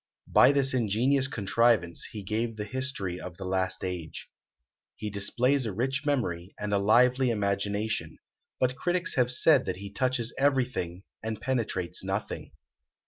By this ingenious contrivance he gave the history of the last age. He displays a rich memory, and a lively imagination; but critics have said that he touches everything, and penetrates nothing.